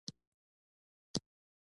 د حماس پلاوي مشري بیا خلیل الحية کوي.